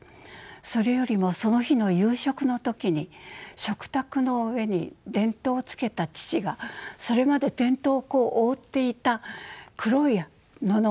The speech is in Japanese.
それよりもその日の夕食の時に食卓の上に電灯をつけた父がそれまで電灯を覆っていた黒い布を外したんです。